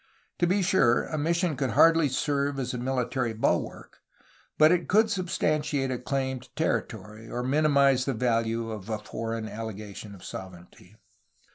To be sure, a mission could hardly serve as a military bulwark, but it could sub stantiate a claim to territory, or minimize the value of a foreign allegation of sovereignty.